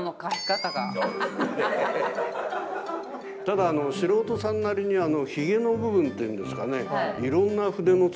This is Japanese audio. ただ素人さんなりにヒゲの部分っていうんですかね